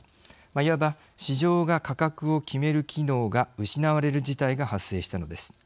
いわば市場が価格を決める機能が失われる事態が発生したのです。